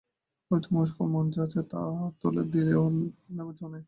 ঐ তো মুশকিল– মন যা চায় তা হাতে তুলে দিলেও নেবার জো নেই।